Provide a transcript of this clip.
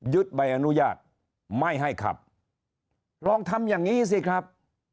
ใบอนุญาตไม่ให้ขับลองทำอย่างนี้สิครับ